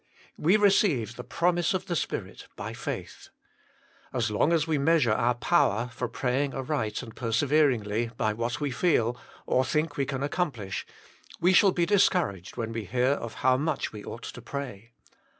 " We receive the promise of the Spirit by faith." As long as we measure our power, for praying aright and perseveringly, by what we feel, or think we can accomplish, we shall be discouraged when we hear of how much we ought to pray.